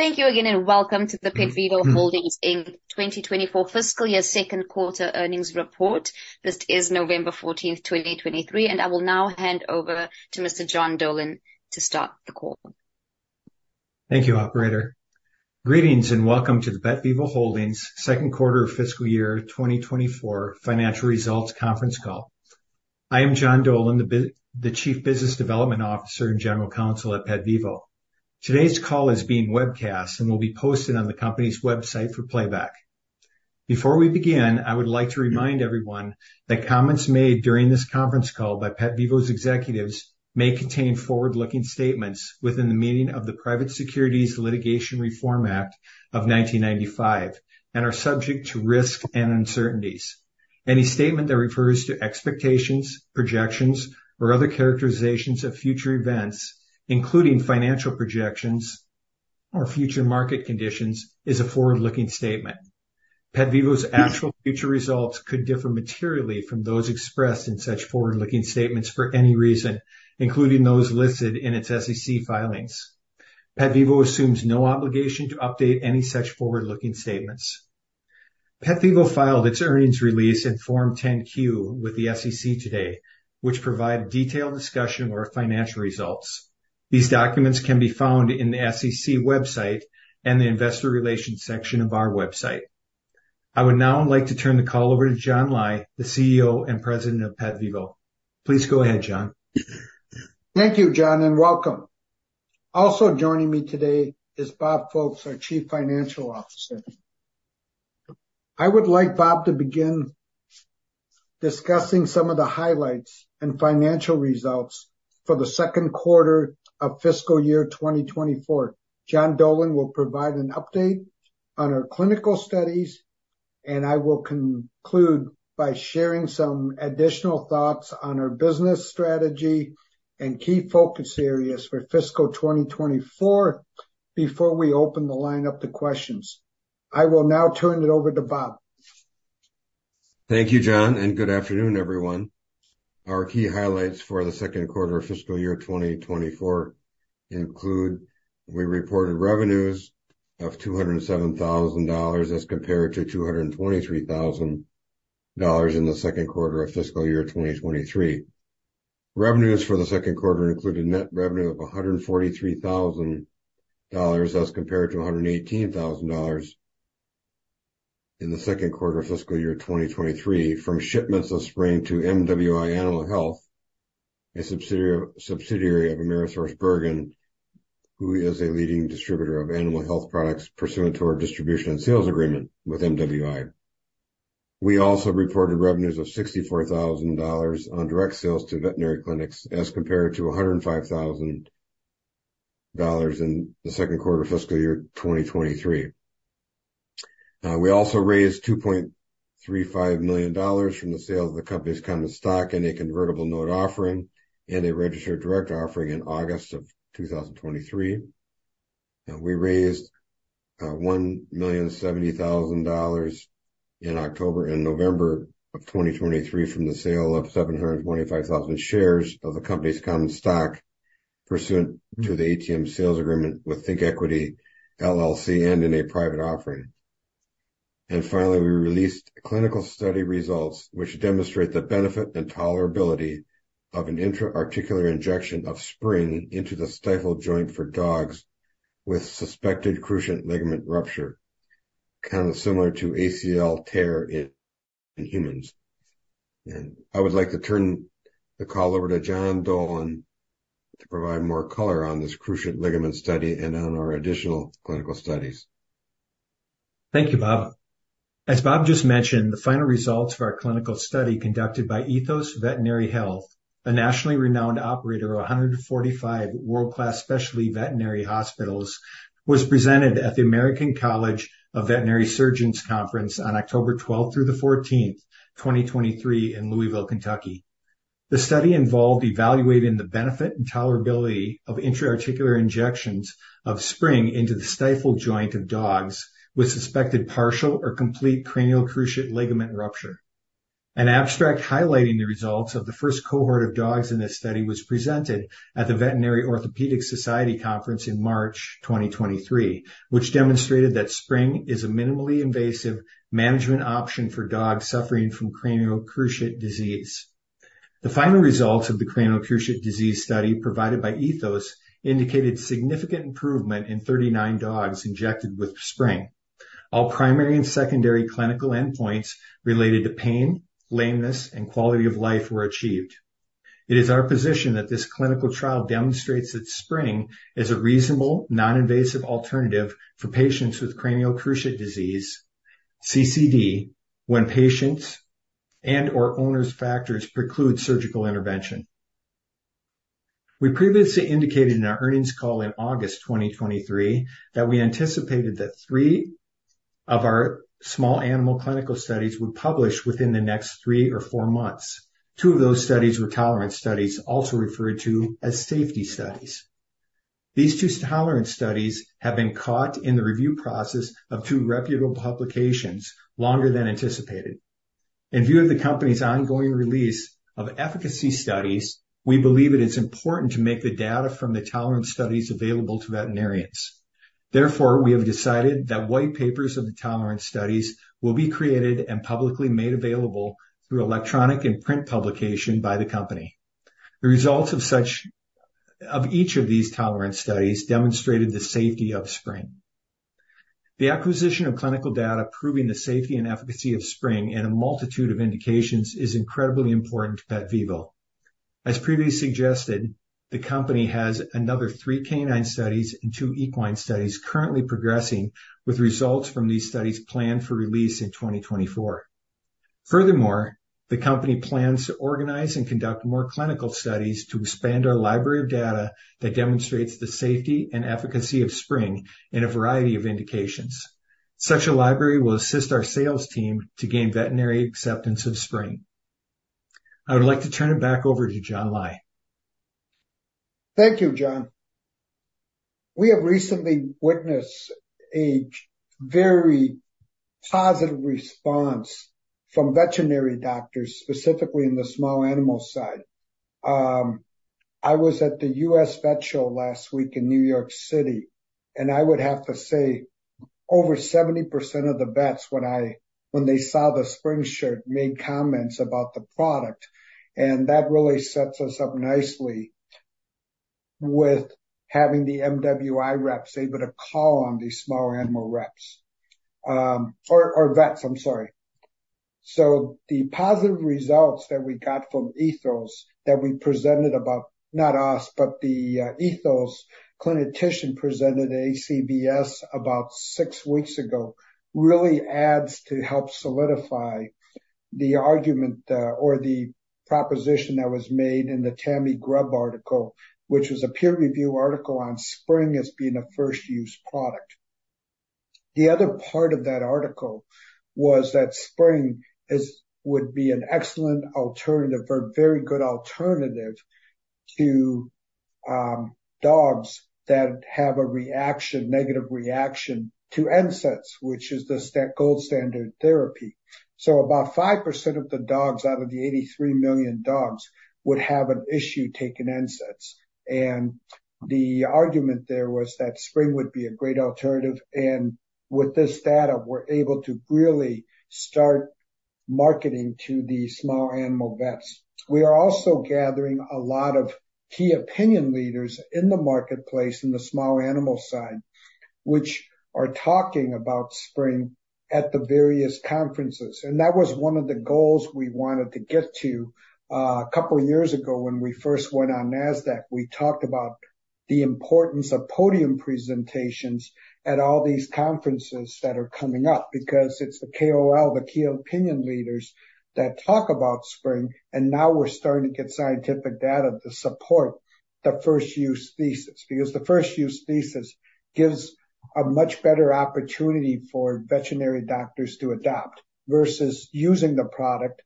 Thank you again, and welcome to the PetVivo Holdings Inc. 2024 fiscal year second quarter earnings report. This is November fourteenth, 2023, and I will now hand over to Mr. John Dolan to start the call. Thank you, operator. Greetings, and welcome to the PetVivo Holdings second quarter fiscal year 2024 financial results conference call. I am John Dolan, the Chief Business Development Officer and General Counsel at PetVivo. Today's call is being webcast and will be posted on the company's website for playback. Before we begin, I would like to remind everyone that comments made during this conference call by PetVivo's executives may contain forward-looking statements within the meaning of the Private Securities Litigation Reform Act of 1995, and are subject to risk and uncertainties. Any statement that refers to expectations, projections, or other characterizations of future events, including financial projections or future market conditions, is a forward-looking statement. PetVivo's actual future results could differ materially from those expressed in such forward-looking statements for any reason, including those listed in its SEC filings. PetVivo assumes no obligation to update any such forward-looking statements. PetVivo filed its earnings release in Form 10-Q with the SEC today, which provide detailed discussion of our financial results. These documents can be found in the SEC website and the investor relations section of our website. I would now like to turn the call over to John Lai, the CEO and President of PetVivo. Please go ahead, John. Thank you, John, and welcome. Also joining me today is Bob Folkes, our Chief Financial Officer. I would like Bob to begin discussing some of the highlights and financial results for the second quarter of fiscal year 2024. John Dolan will provide an update on our clinical studies, and I will conclude by sharing some additional thoughts on our business strategy and key focus areas for fiscal 2024 before we open the line up to questions. I will now turn it over to Bob. Thank you, John, and good afternoon, everyone. Our key highlights for the second quarter of fiscal year 2024 include: we reported revenues of $207,000 as compared to $223,000 in the second quarter of fiscal year 2023. Revenues for the second quarter included net revenue of $143,000 as compared to $118,000 in the second quarter of fiscal year 2023, from shipments of Spryng to MWI Animal Health, a subsidiary of AmerisourceBergen, who is a leading distributor of animal health products pursuant to our distribution and sales agreement with MWI. We also reported revenues of $64,000 on direct sales to veterinary clinics, as compared to $105,000 in the second quarter of fiscal year 2023. We also raised $2.35 million from the sale of the company's common stock in a convertible note offering and a registered direct offering in August of 2023. We raised $1.07 million in October and November of 2023 from the sale of 725,000 shares of the company's common stock pursuant to the ATM sales agreement with ThinkEquity, LLC, and in a private offering. Finally, we released clinical study results, which demonstrate the benefit and tolerability of an intra-articular injection of Spryng into the stifle joint for dogs with suspected cruciate ligament rupture, kind of similar to ACL tear in humans. I would like to turn the call over to John Dolan to provide more color on this cruciate ligament study and on our additional clinical studies. Thank you, Bob. As Bob just mentioned, the final results of our clinical study, conducted by Ethos Veterinary Health, a nationally renowned operator of 145 world-class specialty veterinary hospitals, was presented at the American College of Veterinary Surgeons Conference on October 12-14, 2023 in Louisville, Kentucky. The study involved evaluating the benefit and tolerability of intra-articular injections of Spryng into the stifle joint of dogs with suspected partial or complete cranial cruciate ligament rupture. An abstract highlighting the results of the first cohort of dogs in this study was presented at the Veterinary Orthopedic Society Conference in March 2023, which demonstrated that Spryng is a minimally invasive management option for dogs suffering from cranial cruciate disease. The final results of the cranial cruciate disease study provided by Ethos indicated significant improvement in 39 dogs injected with Spryng. All primary and secondary clinical endpoints related to pain, lameness, and quality of life were achieved. It is our position that this clinical trial demonstrates that Spryng is a reasonable, non-invasive alternative for patients with cranial cruciate disease, CCD, when patients and/or owners' factors preclude surgical intervention. We previously indicated in our earnings call in August 2023 that we anticipated that three of our small animal clinical studies would publish within the next three or four months. Two of those studies were tolerance studies, also referred to as safety studies.... These two tolerance studies have been caught in the review process of two reputable publications longer than anticipated. In view of the company's ongoing release of efficacy studies, we believe it is important to make the data from the tolerance studies available to veterinarians. Therefore, we have decided that white papers of the tolerance studies will be created and publicly made available through electronic and print publication by the company. The results of each of these tolerance studies demonstrated the safety of Spryng. The acquisition of clinical data proving the safety and efficacy of Spryng in a multitude of indications is incredibly important to PetVivo. As previously suggested, the company has another three canine studies and two equine studies currently progressing, with results from these studies planned for release in 2024. Furthermore, the company plans to organize and conduct more clinical studies to expand our library of data that demonstrates the safety and efficacy of Spryng in a variety of indications. Such a library will assist our sales team to gain veterinary acceptance of Spryng. I would like to turn it back over to John Lai. Thank you, John. We have recently witnessed a very positive response from veterinary doctors, specifically in the small animal side. I was at the US Vet Show last week in New York City, and I would have to say over 70% of the vets, when they saw the Spryng shirt, made comments about the product, and that really sets us up nicely with having the MWI reps able to call on these small animal reps, or vets, I'm sorry. So the positive results that we got from Ethos that we presented about... Not us, but the Ethos clinician presented at ACVS about six weeks ago, really adds to help solidify the argument, or the proposition that was made in the Tammy Grubb article, which was a peer review article on Spryng as being a first-use product. The other part of that article was that Spryng would be an excellent alternative, or very good alternative to, dogs that have a reaction, negative reaction to NSAIDs, which is the gold standard therapy. So about 5% of the dogs out of the 83 million dogs would have an issue taking NSAIDs, and the argument there was that Spryng would be a great alternative, and with this data, we're able to really start marketing to the small animal vets. We are also gathering a lot of key opinion leaders in the marketplace, in the small animal side, which are talking about Spryng at the various conferences. And that was one of the goals we wanted to get to. A couple of years ago, when we first went on NASDAQ, we talked about the importance of podium presentations at all these conferences that are coming up, because it's the KOL, the key opinion leaders, that talk about Spryng, and now we're starting to get scientific data to support the first use thesis. Because the first use thesis gives a much better opportunity for veterinary doctors to adopt versus using the product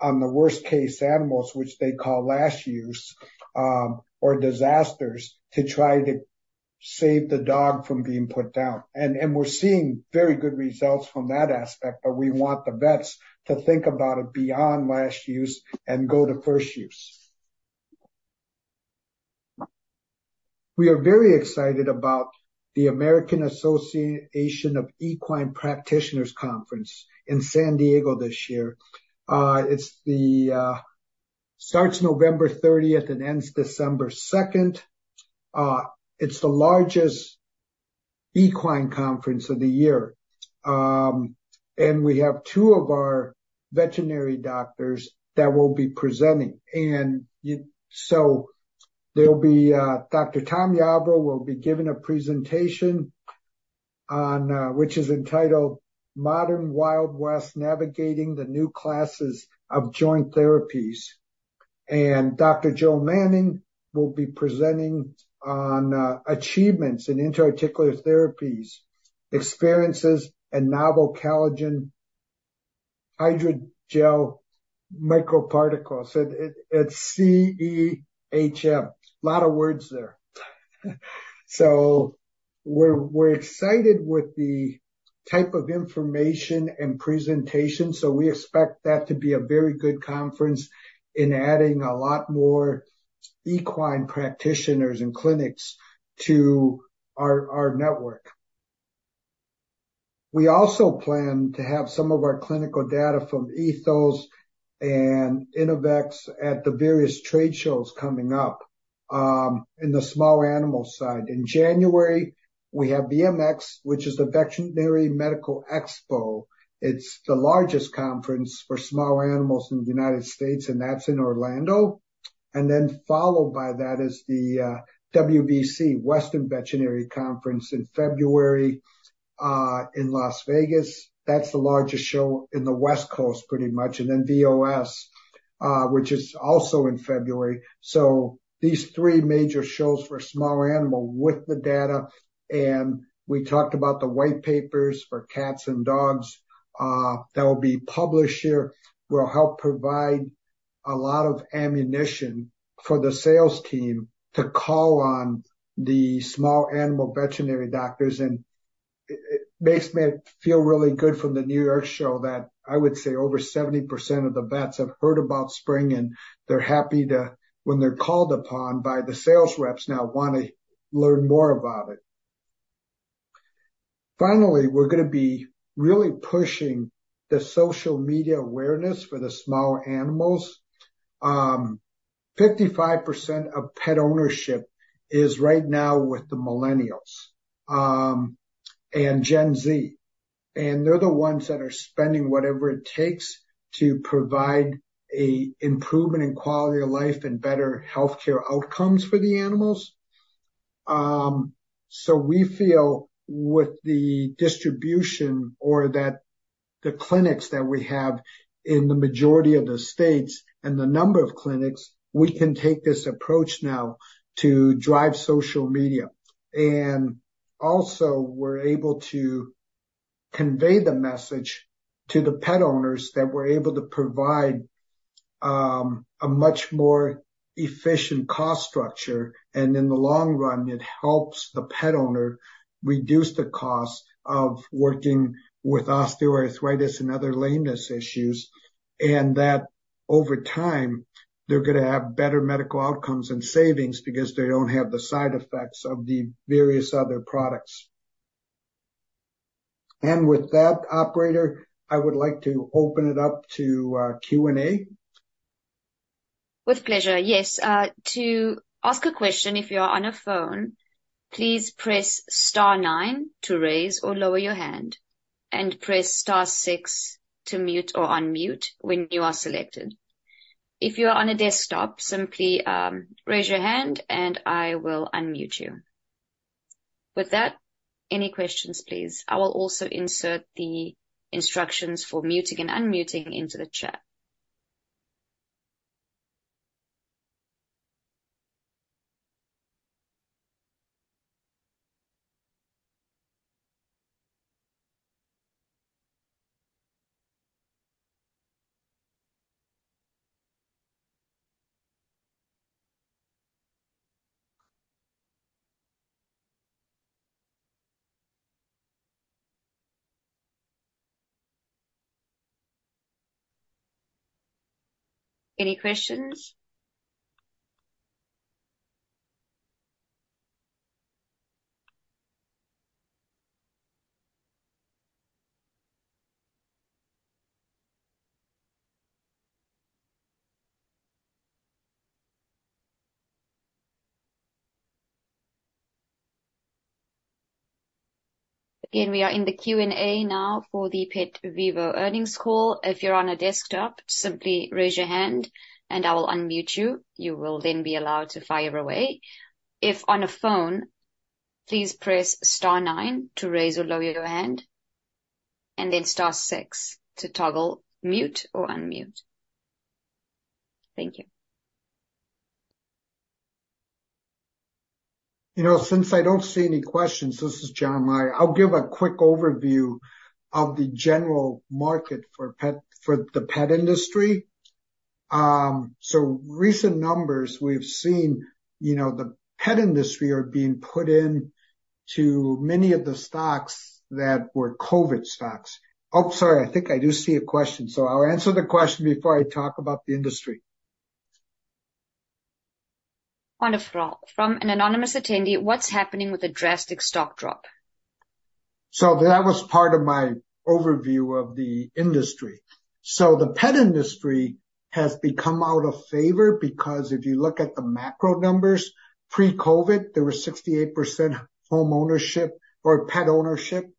on the worst-case animals, which they call last use, or disasters, to try to save the dog from being put down. And we're seeing very good results from that aspect, but we want the vets to think about it beyond last use and go to first use. We are very excited about the American Association of Equine Practitioners Conference in San Diego this year. It's the starts 30 November and ends 2 December. It's the largest equine conference of the year. We have two of our veterinary doctors that will be presenting. So there'll be Dr. Tom Yarbrough will be giving a presentation on which is entitled Modern Wild West: Navigating the New Classes of Joint Therapies. And Dr. Joe Manning will be presenting on achievements in intra-articular therapies, experiences and novel collagen hydrogel microparticles. It's CEHM. A lot of words there. So we're excited with the type of information and presentation, so we expect that to be a very good conference in adding a lot more equine practitioners and clinics to our network. We also plan to have some of our clinical data from Ethos and Inotiv at the various trade shows coming up in the small animal side. In January, we have VMX, which is the Veterinary Medical Expo. It's the largest conference for small animals in the United States, and that's in Orlando. And then followed by that is the WVC, Western Veterinary Conference in February, in Las Vegas. That's the largest show in the West Coast, pretty much. And then VOS, which is also in February. So these three major shows for small animal with the data, and we talked about the white papers for cats and dogs, that will be published here, will help provide. A lot of ammunition for the sales team to call on the small animal veterinary doctors, and it makes me feel really good from the New York show that I would say over 70% of the vets have heard about Spryng, and they're happy to, when they're called upon by the sales reps, now want to learn more about it. Finally, we're gonna be really pushing the social media awareness for the small animals. 55% of pet ownership is right now with the millennials, and Gen Z, and they're the ones that are spending whatever it takes to provide a improvement in quality of life and better healthcare outcomes for the animals. So we feel with the distribution or that the clinics that we have in the majority of the states and the number of clinics, we can take this approach now to drive social media. And also we're able to convey the message to the pet owners that we're able to provide a much more efficient cost structure, and in the long run, it helps the pet owner reduce the cost of working with osteoarthritis and other lameness issues, and that over time, they're gonna have better medical outcomes and savings because they don't have the side effects of the various other products. And with that, operator, I would like to open it up to Q&A. With pleasure. Yes, to ask a question, if you are on a phone, please press star nine to raise or lower your hand and press star six to mute or unmute when you are selected. If you are on a desktop, simply raise your hand and I will unmute you. With that, any questions, please? I will also insert the instructions for muting and unmuting into the chat. Any questions? Again, we are in the Q&A now for the PetVivo earnings call. If you're on a desktop, simply raise your hand and I will unmute you. You will then be allowed to fire away. If on a phone, please press star nine to raise or lower your hand, and then star six to toggle mute or unmute. Thank you. You know, since I don't see any questions, this is John Lai. I'll give a quick overview of the general market for pet for the pet industry. So recent numbers we've seen, you know, the pet industry are being put into many of the stocks that were COVID stocks. Oh, sorry, I think I do see a question, so I'll answer the question before I talk about the industry. Wonderful. From an anonymous attendee, what's happening with the drastic stock drop? So that was part of my overview of the industry. So the pet industry has become out of favor because if you look at the macro numbers, pre-COVID, there was 68% home ownership or pet ownership,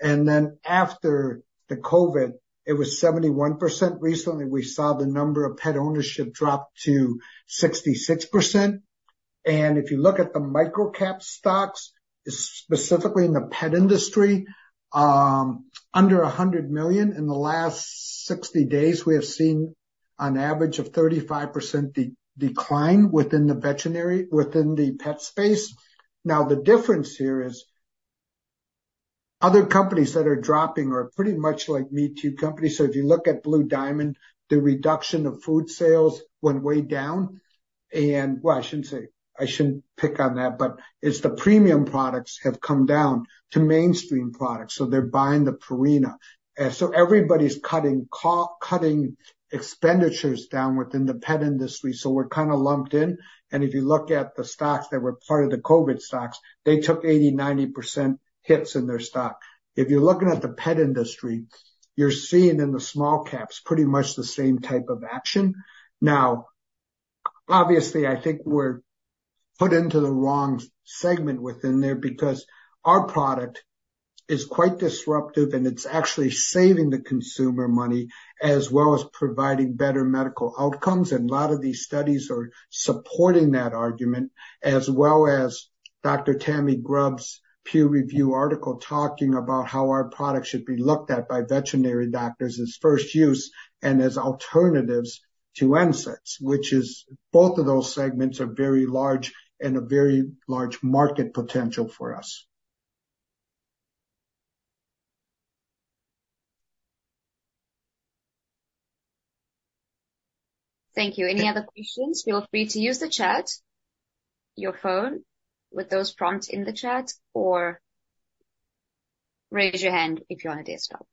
and then after the COVID, it was 71%. Recently, we saw the number of pet ownership drop to 66%. And if you look at the micro cap stocks, specifically in the pet industry, under $100 million in the last 60 days, we have seen an average of 35% decline within the veterinary, within the pet space. Now, the difference here is other companies that are dropping are pretty much like me-too companies. So if you look at Blue Diamond, the reduction of food sales went way down. And, well, I shouldn't say... I shouldn't pick on that, but it's the premium products have come down to mainstream products, so they're buying the Purina. So everybody's cutting expenditures down within the pet industry, so we're kind of lumped in. And if you look at the stocks that were part of the COVID stocks, they took 80%-90% hits in their stock. If you're looking at the pet industry, you're seeing in the small caps, pretty much the same type of action. Now, obviously, I think we're put into the wrong segment within there because our product is quite disruptive, and it's actually saving the consumer money, as well as providing better medical outcomes. And a lot of these studies are supporting that argument, as well as Dr. Tammy Grubb's peer-reviewed article, talking about how our products should be looked at by veterinary doctors as first use and as alternatives to NSAIDs, which is both of those segments are very large and a very large market potential for us. Thank you. Any other questions, feel free to use the chat, your phone with those prompts in the chat, or raise your hand if you're on a desktop.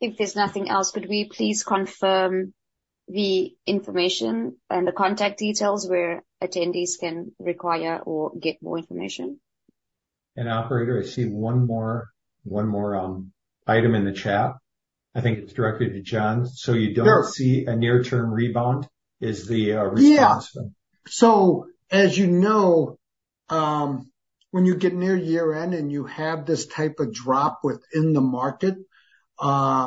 If there's nothing else, could we please confirm the information and the contact details where attendees can require or get more information? Operator, I see one more, one more, item in the chat. I think it's directed to John. "So you don't see a near-term rebound," is the response. Yeah. So as you know, when you get near year-end and you have this type of drop within the market,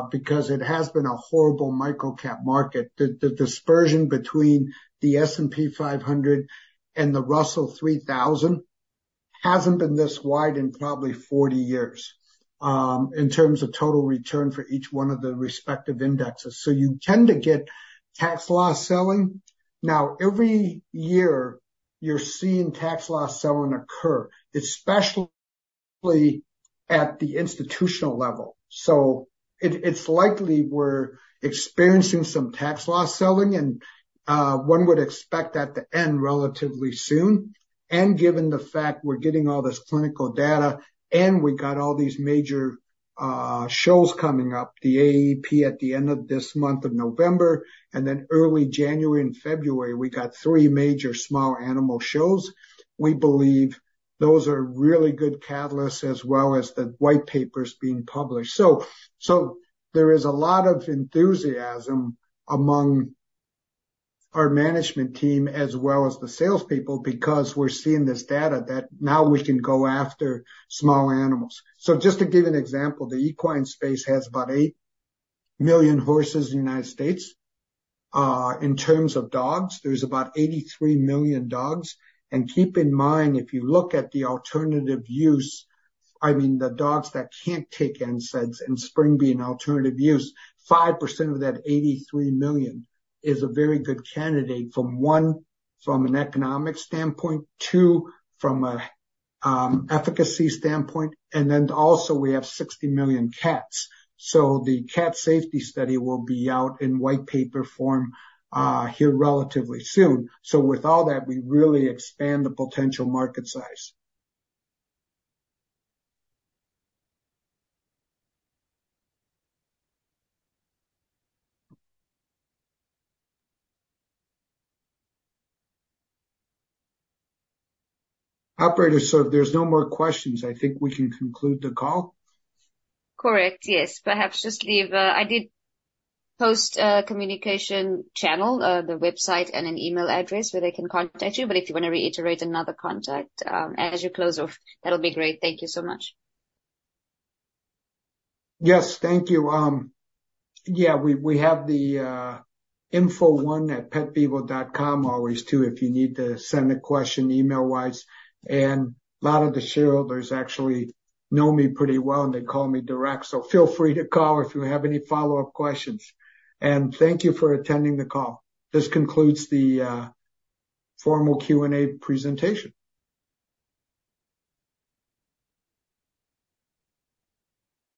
because it has been a horrible micro-cap market, the dispersion between the S&P 500 and the Russell 3000 hasn't been this wide in probably 40 years, in terms of total return for each one of the respective indexes. So you tend to get tax loss selling. Now, every year you're seeing tax loss selling occur, especially at the institutional level. So it's likely we're experiencing some tax loss selling, and one would expect that to end relatively soon. And given the fact we're getting all this clinical data, and we got all these major shows coming up, the AAP at the end of this month of November, and then early January and February, we got three major small animal shows. We believe those are really good catalysts, as well as the white papers being published. So there is a lot of enthusiasm among our management team as well as the salespeople, because we're seeing this data that now we can go after small animals. So just to give an example, the equine space has about 8 million horses in the United States. In terms of dogs, there's about 83 million dogs. And keep in mind, if you look at the alternative use, I mean, the dogs that can't take NSAIDs and Spryng be an alternative use, 5% of that 83 million is a very good candidate from one, from an economic standpoint, two, from a efficacy standpoint, and then also we have 60 million cats. So the cat safety study will be out in white paper form here relatively soon. With all that, we really expand the potential market size. Operator, so if there's no more questions, I think we can conclude the call. Correct. Yes. Perhaps just leave... I did post a communication channel, the website and an email address where they can contact you, but if you want to reiterate another contact, as you close off, that'll be great. Thank you so much. Yes, thank you. Yeah, we have the info1@petvivo.com always, too, if you need to send a question email-wise, and a lot of the shareholders actually know me pretty well, and they call me direct. So feel free to call if you have any follow-up questions. And thank you for attending the call. This concludes the formal Q&A presentation.